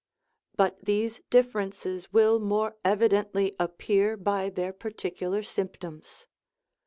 But these differences will more evidently appear by their particular symptoms.